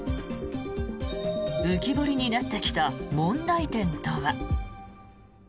浮き彫りになってきた問題点とは。